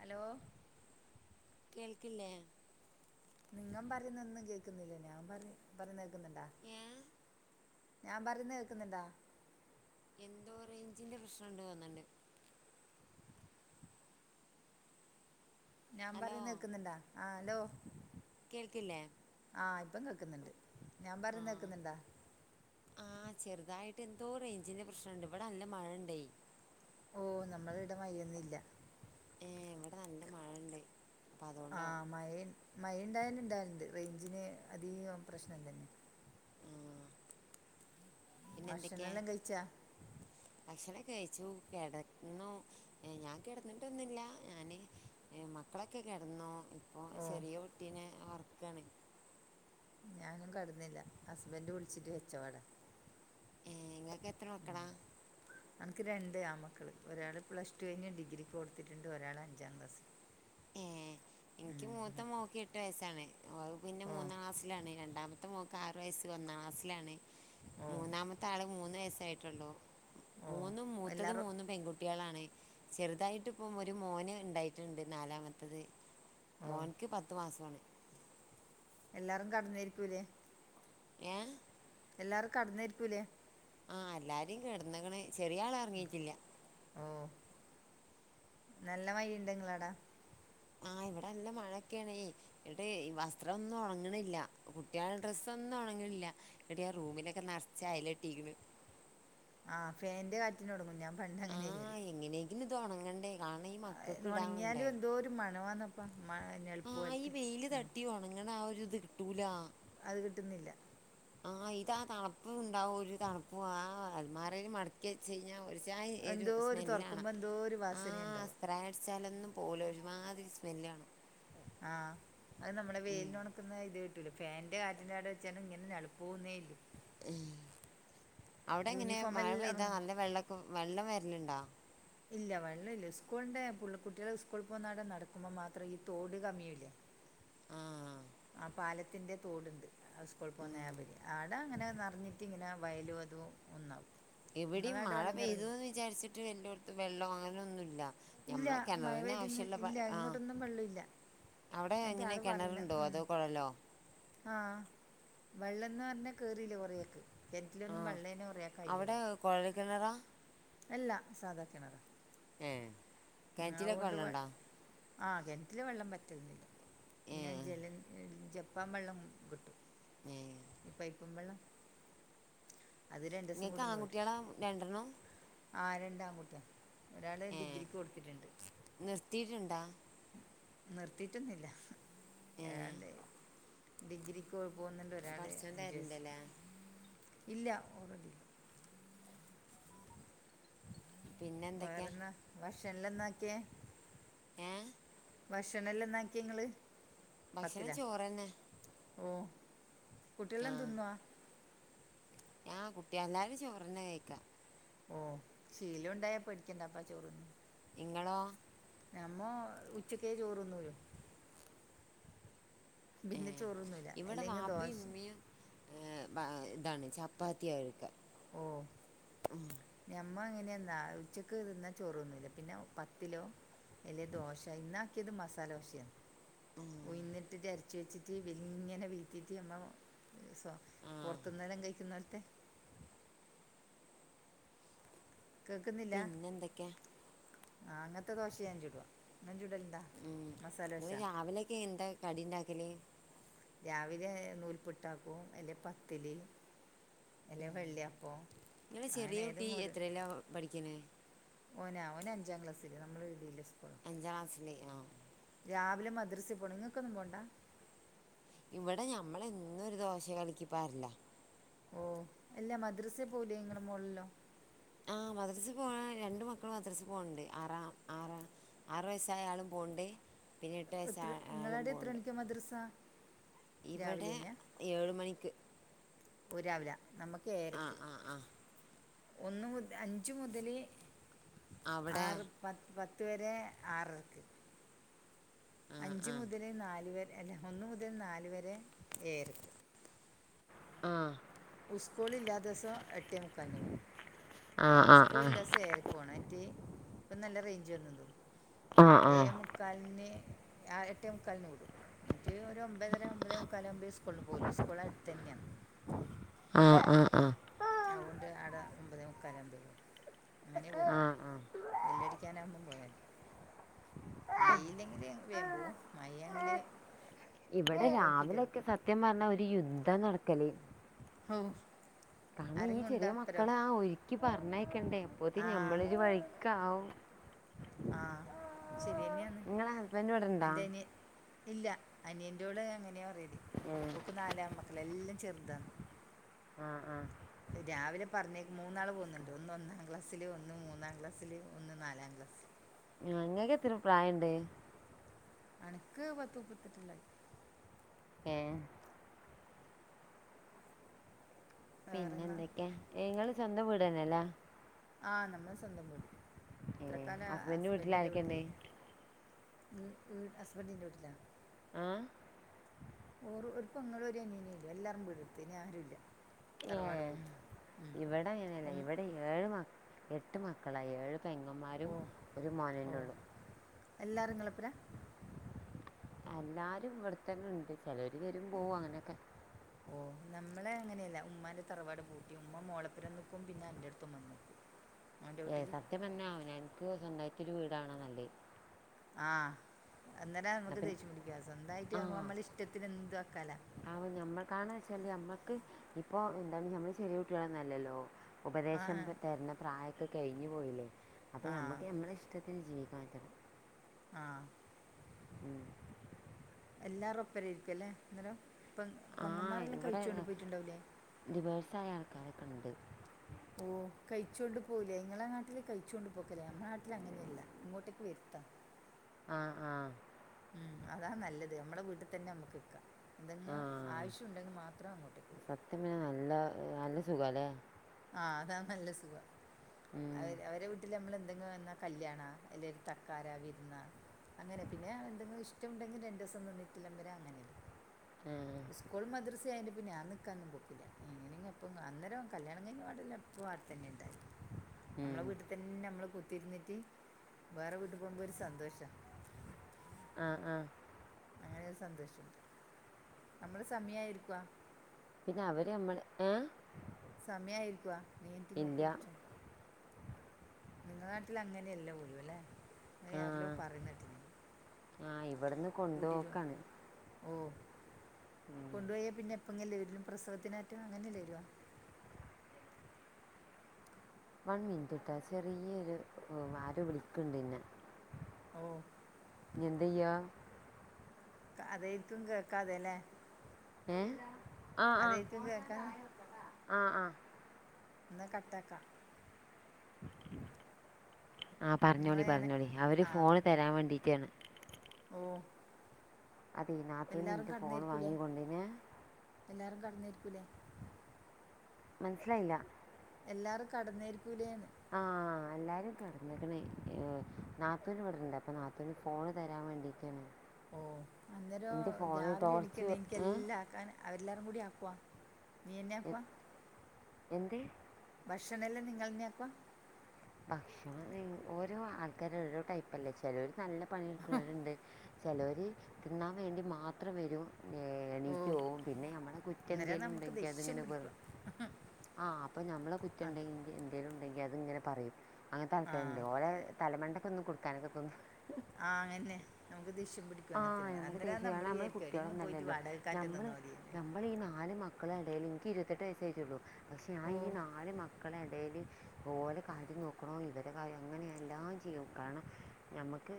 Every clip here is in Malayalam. ഹലോ കേൾക്കില്ലേ നിങ്ങ പറയുന്നൊന്നും കേൾക്കുന്നില്ലേല്ലോ ഞാൻ പറ പറയ്ന്ന കേക്കുന്നുണ്ടാ ഏ ഞാൻ പറയുന്ന കേൾക്കുന്നുണ്ടോ എന്തോ റേഞ്ചിന്റെ പ്രശ്നണ്ട് തോന്നിണ്ട് ഞാൻ ഹലോ പറയുന്ന കേൾക്കുന്നുണ്ടോ ആഹ് ഹലോ കേൾക്കില്ലേ ആഹ് ഇപ്പ കേൾക്കുന്നുണ്ട് ഞാൻ പറയുന്നെ കേക്കുന്നുണ്ടോ ആഹ് ചെറുതായിട്ട് എന്തോ റേഞ്ചിന്റെ പ്രശ്നംണ്ട് ഇവിടെ നല്ല മഴയുണ്ടേ ഓഹ് നമ്മളെവടെ മയൊന്നില്ല ഏ ഇവിടെ നല്ല മഴണ്ട് അപ്പൊ അതുകൊണ്ടാവും ആഹ് മയേ മയ ണ്ടായാൽൻണ്ടാവലുണ്ട് റൈഞ്ചിന് അധി കോം പ്രശ്നം തന്നെ പിന്നെന്തൊക്കെ ഭക്ഷണമെല്ലാം [inaudible] ഭക്ഷണൊക്കേ കഴിച്ച് കെടന്നു ഏയ് ഞാൻ കിടന്ന്ട്ടൊന്നുല്ല ഞാന് മക്കളൊക്കെ കെടന്നൂ ആഹ് ഓ ചെറിയ കുട്ടീനെ ഒറക്കാണ് ഞാനും കെടന്നില്ല ഹസ്ബൻഡറ് വുള്ച്ചിട്ട് വെച്ചവാട ഇങ്ങൾക്ക് എത്ര മക്കളാ [inaudible] അനക്ക് രണ്ട് ആമക്കൾ ഒരാൾ പ്ലസ് ടു കഴിഞ്ഞ് ഡിഗ്രി കൊടുത്തിട്ടുണ്ട് ഒരാള് അഞ്ചാം ക്ലാസ്സിലും ഏഹ് എന്ക്ക് മൂത്തമോള്ക്ക്‌ എട്ട് വയസ്സാണ് ആഹ് [unintelligible] രണ്ടാമത്തെക്കമോൾക്ക്‌ ആറു വയസ് ഒന്നാംക്ലാസ്സിലാണ് ഓ ഓ മൂന്നാമത്തെ ആള് മൂന്ന് വയസായി [unintelligible] ഓ മൂന്നും മൂത്തത് എല്ലാരും മൂന്നും പെൺകുട്യാളാണ് ചെറുതായിട്ട് ഇപ്പം ഒരു മോന് ഉണ്ടായിട്ടുണ്ട് നാലാമത്തത് ഓ മോന്ക്ക് പത്ത് മാസം എല്ലാരും കടന്നേര്ക്കും ല്ലേ ഏഹ് എല്ലാരും കടന്നേര്ക്കുല്ലേ ആഹ് എല്ലാരും കെടന്ന്ക്ക്ണ് ചെറിയ ആള് ഉറങ്ങീട്ടില്ല. ഓ നല്ല മയണ്ടോ നിങ്ങളെ അടെ ആഹ് ഇവിടെ നല്ല മഴൊക്കെയണെ. ഇവിടെ ഈ വസ്ത്രം ഒന്നും ഉണങ്ങണില്ല കുട്ടിയൊളെ ഡ്രസ്സൊന്നും ഉണങ്ങണില്ല. എടി ആഹ് റൂമിലൊക്കെ നിറച്ചായല കെട്ടിക്ക്ണ്. ആഹ് ഫാൻ്റെ കാറ്റിന് ഒണങ്ങും ഞാൻ പണ്ട് അങ്ങനെ ചെയ്യല്. ആഹ് എങ്ങനെയെങ്കിലും ഇത് ഒണങ്ങണ്ടേ? ഉണങ്ങിയാലും എന്തോ ഒരു മണവന്നപ്പ മ നൊൽപ്പ് ആഹ് ഈ പോലത്തെ വെയില് ആ തട്ടിയോണങ്ങണ ആഹ് ഒരു ഇത് കിട്ടൂല. അത് കിട്ടുന്നില്ല. ആഹ് ഇതാ തണുപ്പും ഉണ്ടാവും ഒരു തണുപ്പും ആഹ് അലമാരയിൽ മടക്കി വെച്ച്ഞ്ഞാ ഒരു ചായി ഒരു എന്തോ സ്മെല്ലാണ് തുറക്കുമ്പോ എന്തോ ഒരു വാസന ആഹ് ഉണ്ടാവും സ്പ്രേ അടിച്ചാലൊന്നും. പോവുല്ല ഒരുമാതിരി സ്മെല്ല് ആണ്. ആഹ് അത് നമ്മുടെ വേലിനോ [unintelligible] അവിടെ എങ്ങനെ മഴ യൂണിഫോമെല്ലാം പെയ്താ ഒണങ്ങും നല്ല വെള്ള ഒക്കെ വെള്ളം വരാല്ണ്ടാ. ഇല്ല വെള്ളം ഇല്ല സ്കൂളിന്റെ [unintelligible] സ്കൂളിൽ പോകുന്നവട്ടെ നടക്കുമ്പോ മാത്രം ഈ തോട് കമ്മിയൂല്ലേ ആഹ് ആഹ് പാലത്തിന്റെ തോടുണ്ട് ആഹ് സ്കൂൾ പോവുന്ന ഉം വരി ആടെ അങ്ങനെ നിറഞ്ഞിട്ട് [unintelligible] വയലും അതും ഒന്നാവും. ഇവിടെം നിങ്ങളവിടെ മഴ വെള്ളം കയറലുണ്ടോ പെയ്തുന്ന് വിചാരിച്ചിട്ട് എല്ലാടത്തും വെള്ളം അങ്ങനെയൊന്നുമില്ല. ഇല്ല ഞമ്മളെ മഴ കണറിന് പെയ്തിന്ന് ആവശ്യമുള്ള പ ഇല്ല ആഹ് ഇങ്ങോട്ടൊന്നും വെള്ളമില്ല അവിടെ അതിൻ്റെ എങ്ങനെ ആൾ കിണറുണ്ടോ അതോ കുഴലോ ആഹ് വെള്ളംന്ന് പറഞ്ഞ [unintelligible] കോഴൽകേണറ എല്ലാ സാധാ കിണറ. ഏ അതുകൊണ്ട് ആഹ് കിണറ്റിലെ വെള്ളം വറ്റലില്ല പിന്നെ ഏഹ് ജല ജപ്പാൻ വെള്ളം കിട്ടും. ഉം പൈപ്പ് വെള്ളം അത് രണ്ട്സം ഇങ്ങക്ക് കുടുംബ വരും. ആൺകുട്ടികളാ രണ്ടെണ്ണം ആഹ് രണ്ട് ആൺ കുട്ടി ഒരാൾ ഡിഗ്രിക്ക് കൊടുത്തിട്ടുണ്ട്. നിർത്തിയിട്ടുണ്ടോ നിർത്തിയിട്ടുന്നില്ല ഏഹ് ഏതാണ്ട് ഡിഗ്രിക്ക്. പോകുന്നുണ്ട് ഒരാൾ പടച്ചോൻ അഞ്ച് വയസ്സ് തരണ്ടല്ലേ ഇല്ല ഓള് പിന്നെ എന്തൊക്കെയാ വേറെന്നാ ഭക്ഷണല്ലന്നാക്കിയ. ഏഹ് ഭക്ഷണംല്ലാം എന്നാക്കിയ നിങ്ങള് ഭക്ഷണം ചോറ്ന്നെ. ഓ കുട്ടിയെല്ല ആഹ് തിന്നുവാ ആഹ് കുട്ടിയ എല്ലാരും ചോറിന്നെ കഴിക്ക. ഓ ശീലം ഉണ്ടായ പേടിക്കണ്ടാപ്പാ ചോറ് തിന്നും. ഇങ്ങളോ ഞമ്മ ഉച്ചക്കേ ചോറൊന്നൂലു. പിന്നെ ചോറ് തിന്നുല്ല അല്ലെങ്കിൽ ദോശ ഏ ഇതാണ് ചപ്പാത്തിയ കഴിക്ക ഓ. ഞമ്മ അങ്ങനെയ ഉച്ചക്ക് തിന്നാ ചോറൊന്നുല്ല പിന്നെ പത്തിലോ. അല്ലേ ദോശ ഇന്നാക്കിയത് മസാല ദോശയാണ് ഉം ഉഴിന്നിട്ടിട്ട് അര [unintelligible] ആഹ് പൊർത്ത്ന്നേടം കയ്ക്കുന്നേറ്റെ കേക്കുന്നില്ലാ പിന്നെന്തൊക്കെയാ ആഹ് അങ്ങൻത്തെ ദോശ ഞാൻ ചുടും നിങ്ങള് ചുടല്ണ്ടാ? ഉം നിങ്ങള് രാവിലൊക്കെ എന്താ കടിണ്ടാക്കല് രാവിലെ നൂൽപുട്ടാക്കും അല്ലെ പത്തല് അല്ലേ വെള്ളിയാപ്പൊ നിങ്ങളെ ചെറിയ അങ്ങനെ കുട്ടി ഏതെങ്ങും ഒരു എത്രയിലാ പഠിക്കണേ ഓനാ ഓന് അഞ്ചാം ക്ലാസ്സില് നമ്മള വീടിന്റെ സ്കൂളാ അഞ്ചാം ക്ലാസ്സില് ആഹ് രാവിലെ മദ്രസേ പോണം നിങ്ങക്കൊന്നും പോണ്ട ഇവിടെ ഞമ്മളെന്നും ഒരു ദോശ കലക്കിപ്പാറലാ ഓഹ് എല്ല മദ്രസെ പോലേ ഇങ്ങളടെ മോളെല്ലോ ആഹ് മദ്രസെ പോവാൻ രണ്ടു മക്കള് മദ്രസെ പോണ്ട് ആറ ആറ ആറു വയസ്സായാളും പോണ്ട് പിന്നെ എട്ട് വയസ്സായാളും പോണ്ട് ദ് മദ്രസ ഇവിടെ രാവിലെ തന്നെയാ ഏഴ് മണിക്ക് ഓ രാവില നമ്മുക്ക് ആ ഏയരക്ക് ആ ആ ഒന്ന് മുത അഞ്ച് മുതല് അവിടെ ആറ് പത്ത് പത്ത് വരെ ആറരക്ക് ആ അഞ്ച് ആ മുതല് നാല് വരെ അല്ല ഒന്ന് മുതൽ നാല് വരെ ഏയരക്ക്‌ ആഹ് ഉസ്കളില്ലാത്ത ദിവസം എട്ടേ മുക്കാൽന് പോണ്ട് ആ ആ ആ ആ ആ സ്കൂൾള്ള ദിവസം ഏരക്ക്‌പോണം എന്നിട്ട് ഇപ്പ നല്ല റേഞ്ച് ആ വന്നന്ന്തോന്നുന്നു ഏഴെമുക് ക്കാൽന് ആഹ് എട്ടേ മുക്കാൽന് വിടും എന്നിട്ട് ഒരു ഒൻപതര ദ് ഒമ്പതെ മുക്കാല് ആവുമ്പേ സ്കൂളില് പോകൂല് സ്കൂള് അടുത്തന്നെയാണ് ആഹ് ആഹ് ആഹ് അതോണ്ട് ആടെ ഒൻമ്പതെ മുക്കാലാകുമ്പളെ പോകു അങ്ങനേ പോണ്ടു ആ ആ ബെല്ലടിക്കാനാവുമ്പം പോയാമതി മയില്ലെങ്കില് വേമ്പോകും മയങ്കില് ഇവിടെ രാവിലെക്കെ സത്യം പർഞ്ഞാ ഒരു യുദ്ധം നടക്കല് ഹാവൂ കാരണം ഈ ചെറിയ മക്കള ആ ഒര് ക്കി പറഞ്ഞയക്കണ്ടേ ആ അപ്പോത്തിന് ഞമ്മളൊരു വഴിക്കാവും ആഹ് ശരിയന്നെയാന്ന് നിങ്ങളെ ഹസ്ബൻഡ് ഇവിടെ ഉണ്ടാ എന്റനിയൻ ഇല്ല അനിയൻ്റെയോള് അങ്ങനെയാ പറയല് ഏ ഓക്ക് നാലാമക്കള എല്ലാം ചെറുതാണ് ആഹ് ആഹ് രാവിലെ പറഞ്ഞേക്ക് മൂന്നാള് പോകുന്നുണ്ട് ഒന്ന് ഒന്നാം ക്ലാസ്സില് ഒന്ന് മൂന്നാം ക്ലാസ്സിള് ഒന്ന് നാലാം ക്ലാസ്സിൽ ആഹ് ങ്ങക്കെത്ര പ്രായണ്ട് അണക്ക് പത്ത് മുപ്പത്തെട്ടെല്ലായ് ഏഹ് പിന്നെ വേറെന്നാ എന്തൊക്കെ നിങ്ങള് സ്വന്തം വീടന്നല്ലേ ആഹ് നമ്മള് സ്വന്തം വീട് ഇത്ര ഏ ക്കാല ഹസ്ബൻഡ് ഹസ്ബന്റിന്റെ വീട്ടിലായിരിക്കണ്ടേ വീട്ടില് ഗ് ഗ് ഹസ്ബന്റിൻ്റെ വീട്ടിലാ ആഹ് ഓറു ഒരു പെങ്ങളും ഒരു അനിയനെ ഉള്ളു എല്ലാരും വീടെടുത്ത് ഇനി ആരും ഇല്ല ഏഹ് ഇവിടെ അങ്ങെനെല്ല ഉം ഇവിടെ ഏഴ് മക് എട്ട് മക്കളാ ഏഴു പെങ്ങമാരും ഓ ഒരു ഓ മോനന്നേ ഒള്ളു എല്ലാരും ഇങ്ങളെപ്പരാ എല്ലാരും ഇവിടത്തന്നെണ്ട് ചെലര് വരും പോവും അങ്ങനെക്കെ ഓഹ് നമ്മളെ അങ്ങനെയല്ല ഉമ്മാന്റെ തറവാട് പൂട്ടി ഉമ്മ മോളപ്പുരം നിക്കും പിന്ന അന്റ അടുത്തും വന്ന്ക്കും ഏഹ് സത്യം പറഞ്ഞ അവനാൻക്ക് സ്വന്തായിട്ടൊരു വീടാണ് നല്ലത് ആഹ് അന്നേരം നമുക്ക് അപ്പം ദേഷ്യം പിടിക്ക സ്വന്തായിട്ട് ആകുമ്പോ നമ്മള ഇഷ്ടത്തിന് എന്തുവാക്കാലോ ആവോ ഞമ്മൾക്കാണ് വെച്ചാല് ഞമ്മക്ക് ഇപ്പൊ എന്താണ് നമ്മള് ചെറിയ കുട്ടികളൊന്നല്ലല്ലോ ആഹ് ഉപദേശം തർണ പ്രായൊക്കെ കഴിഞ്ഞു പോയില്ലേ? അപ്പൊ ആഹ് നമ്മുക്ക് നമ്മളെ ഇഷ് ടത്തിന് ജീവിക്കാ [unintelligible] ആഹ് ഉം എല്ലാരു ഒപ്പരയിരിക്കുല്ലേ അന്നേരം പ്പ ആ പെങ്ങന്മാരെല്ലാം ഇവിടെ കഴിച്ചു കൊണ്ട് പോയിട്ടുണ്ടാവില്ലേ? ഡിവേഴ്സായ ആൾക്കാരൊക്കെ ഇണ്ട്. ഓഹ് കഴ്ച്ചോണ്ട് പോകല്ലേ നിങ്ങളെ നാട്ടിൽേ കഴിച്ചുകൊണ്ട് പോക്കല്ലേ നമ്മടെ നാട്ടിൽ അങ്ങനെ അല്ല. ഇങ്ങോട്ടേക്ക് വർത്താ ആഹ് ആഹ് ഉം അതാ നല്ലത് നമ്മളെ വീട്ടിൽ തന്നെ നമ്മക്ക് നിക്കാ. എന്തെങ്ങ ആ ആവശ്യുണ്ടെങ്കിൽ മാത്രം അങ്ങോട്ടേക്ക് പോക. [unintelligible] നല്ല നല്ല സുഖല്ലേ? ആഹ് അതാ നല്ല സുഖം ഉം. അവര് അവരെ വീട്ടിൽ നമ്മൾ എന്തെങ്കിലും വന്നാ കല്യാണ, അല്ലെൽ തക്കാരാ വിർന്നാ അങ്ങനെ പിന്നെ എന്തെങ്കിലും ഇഷ്ടമുണ്ടെങ്കിൽ രണ്ടു ദീസം നിന്നിട്ടും വരാ,, അങ്ങനെ ആ ഇഷ് സ്കൂളും, മദ്രസിം ആയെണ്ട് പിന്നെ ഞാൻ നിക്കാനൊന്നും പോക്കില്ല. എങ്ങനെങ്കി അപ്പം അന്നേരം കല്യാണം കഴിഞ്ഞ പാടെല്ലാം എപ്പോ അവിടെത്തന്നെ ഇണ്ടായി നമ്മളെ ഉം. വീട്ടിൽ തന്നെ നമ്മള് കുത്തിയിരുന്നിട്ട്, വേറെ വീട്ടിൽ പോകുമ്പോൾ ഒരു സന്തോഷാ ആഹ് ആഹ് അങ്ങനെയൊരു സന്തോഷുണ്ട്. നമ്മള് സമയായിരിക്കുവ പിന്നെ അവർ നമ്മളെ ഏഹ് സമയ ആയിരിക്കുവ നീഇൻക്ക് ഇങ്ങോട്ട് ഇല്ല വിളിച്ചോ. നിങ്ങളെ നാട്ടിൽ അങ്ങനെയല്ലേ പോലും ല്ലെ ആഹ് ആഹ് ഇവിട്ന്ന് കൊണ്ടോക്കാണ്. ഓഹ്! കൊണ്ടുപോയാൽ പിന്നെ എപ്പങ്ങല്ലേ വെരുഒള്ളു പ്രസവത്തിന അറ്റം അങ്ങനെയല്ലേ വരുവാ വൺ മിനിറ്റ് ട്ടോ ചെറിയൊരു ആരോ വിളിക്ക്ണ്ട്ന്നെ ഓഹ്! ഇനി എന്തയ്യാ? അതേയിരിക്കും കേക്കാതെല്ലെ ഏഹ് ആഹ് അതായിരിക്കും ആഹ് കേൾക്കാതെ ആഹ് ആഹ് എന്ന കട്ടാക്കാ ആഹ് പർഞ്ഞോളി നിങ്ങളെ ഞാൻ പർഞ്ഞോളി അവര് ഫോണ് തരാൻ വേണ്ടിട്ടാണ്. ഓഹ്! അതെ നാത്തൂനു ഇന്റെ ഫോൺ വാങ്ങിക്കൊണ്ടോയീന് എല്ലാരും കട് ന്നേയിരിക്കൂലേ? മൻസ്സിലായില്ല! എല്ലാരും കട്ന്നേരിക്കൂലേന്ന്? എല്ലാരും കട്ന്ന്ക്ക്ണ്. ഹ് നാത്തൂനു ഇവിടണ്ട് അപ്പൊ നാത്തൂനു ഫോണ് തരാൻ വേണ്ടിട്ടാണ്. ഓഹ്! അന്നേരം രാവിലെ ടോർച്ച് എണിക്കണേ എനിക്ക് ഏ എല്ലാം ആക്കാന് അവരെല്ലാരും കൂടി ആക്കുവാ നീ എന്നെ ആക്കുവാ? എ- എന്ത്? ഭക്ഷണം എല്ലാം നിങ്ങൾന്നെയ ആക്ക ഭക്ഷണം ഓരോ ആൾക്കാരും ഓരോ ടൈപ്പല്ലേ ചിലർ നല്ല പണി ടുക്കുന്നവരുണ്ട്.. ! ചെലോർ തിന്നാൻ വേണ്ടി മാത്രം വെരും. ഓ എണീറ്റോവും പിന്നെ നമ്മടെ കുറ്റം അന്നേരം എന്തേലും നമുക്ക് ഇണ്ടെങ്കി ദേഷ്യം അതിങ്ങനെ പിടിക്കുക പറിം. ആഹ്! അപ്പൊ നമ്മളെ ആ കുറ്റംണ്ടെങ്കിൽ എന്തേലും ഇണ്ടെങ്കിൽ അത് ഇങ്ങനെ പറയും. അങ്ങൻത്തെ ആൾക്കാർണ്ട് ആ ഓലെ തലമണ്ടക്കൊന്ന് കൊട്ക്കാൻ തോന്നും. ആഹ് അതന്നെ നമുക്ക് ദേഷ്യം പിടി ആഹ് നമുക്ക് ദേഷ്യണ് നമ്മള് പോയിട്ട് കുട്ടിയാളൊന്നല്ലല്ലോ വാടകക്കാറ്റ് നമ്മള് നിന്നാ മതിയേന്ന് നമ്മള് ഈ നാല് മ മക്കളെ എടേല് എനിക്ക് ഇരുപത്തെട്ട് വയസ്സായിട്ടെള്ളു പക്ഷെ ആ ഈ ഓഹ് നാല് മക്കള എടേല് ഓലെ കാര്യം നോക്കണോ ഇവരെ കാര്യം അങ്ങനെയ എല്ലാം ചെയ്യും കാരണം ഞമ്മക്ക്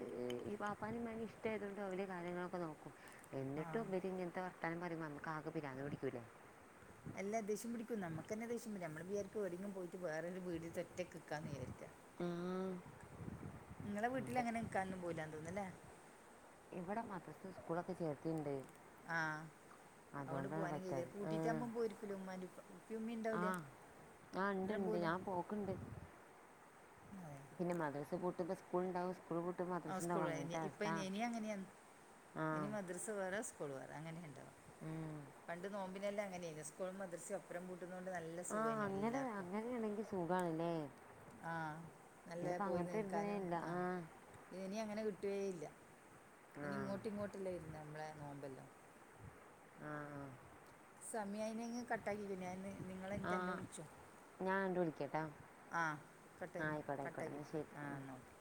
ഇപ്പാനും ഉമ്മാനെയും ഇഷ്ടമായതുകൊണ്ട് ഓലെ കാര്യങ്ങളൊക്കെ നോക്കും എന്നിട്ടും ആഹ് ഇവര് ഇങ്ങനത്തെ വർത്താനം പറുമോ നമുക്ക് ആകെ പിരാന്ത് പിടിക്കൂലേ അല്ലാ ദേഷ്യം പിടിക്കും നമുക്ക് ന്നെ ദേഷ്യം വരും നമ്മള് വിചാരിക്കും എവടെങ്കും പോയിട്ട് വേരു ഒരു വീട് സെറ്റാക്കി വക്കാന്ന് വിചാരിക്കാം ഉം ഇങ്ങളെ വീട്ടിൽ അങ്ങനെ നിക്കക്കാനന്നും പോകൂലാ തോന്നുന്നല്ലേ ഇവിടെ മദ്രസ്സും സ്കൂളും ഒക്കെ ചേർത്തിണ്ട് ആഹ് അതെണ്ട് പോകാനും കയ്യൂല പറ്റാതെ പൂട്ടിറ്റാകുമ്പം പോയിരിക്കല ഉമ്മാന്റെ ഉപ്പാന്റെ ഉപ്പി ഉമ്മ ആ ഉണ്ടാവില്ലേ ആ ഇണ്ട് ഇണ്ട് ഞാൻ പോക്ക്ണ്ട് അതെ പിന്നെ മദ്രസ പൂട്ടുബോ സ്കൂള് ഉണ്ടാവും സ്കൂൾ. പൂട്ടു ആ സ്കൂൾ ഇപ്പം ഇ ഇനി അങ്ങനെയ ആ ഇനി മദ്രസ് വേറെ സ്കൂൾ വേറെ അങ്ങനെയ ഉണ്ടാവ ഉം പണ്ട് നോമ്പിനെല്ലാം അങ്ങനെ സ്കൂൾ മദ്രസ ഒപ്പും പൂട്ടി പൂട്ടുന്നോണ്ട് നല്ല ആ സുഖയ്നു അങ്ങനെ എല്ലാവർക്കും അങ്ങനെയാണെങ്കിൽ സുഖമാണല്ലേ ആഹ് നല്ല ഇതിപ്പോൾ പോയി അങ്ങനത്തെ ഇരുന്നേ നിൽക്കാനും ഇല്ല ആ ആഹ് ഇത് ഇനി അങ്ങനെ കിട്ടുകേ ഇല്ല ആ ഇനി ഇങ്ങോട്ടി ഇങ്ങോട്ടല്ലേ ഇരുന്നു നമ്മളെ നോുമ്പല്ലോ ആഹ് സമയം ആയിനനെങ്കിൽ കട്ടാക്കിക്കോ. ഞന്ന് നിങ്ങള എനെ ആ തന്നെ വിളിച്ചോ. ഞാൻ ഉണ്ട് വിളിക്കട്ടാ ആഹ് കട്ട് ആ ആയിക്കോട്ടെ കട്ട് ആയിക്കോട്ടെ എന്നാൽ ശരി ആ ഉം. നോക്ക